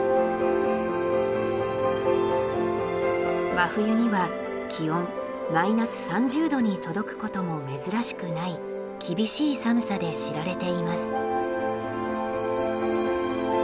真冬には気温−３０℃に届くことも珍しくない厳しい寒さで知られています。